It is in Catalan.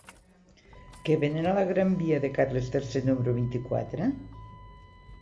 Què venen a la gran via de Carles III número vint-i-quatre?